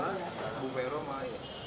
antara bu fairoh sama ayah